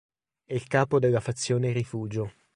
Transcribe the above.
È il capo della fazione Rifugio.